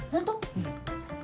うん。